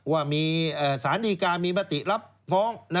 ว่ามีสานดีการมีการมัติรับฟ้อง